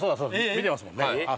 見てますもんね。